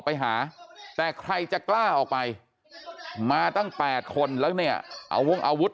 ไปหาแต่ใครจะกล้าออกไปมาตั้ง๘คนแล้วเนี่ยเอาวงอาวุธ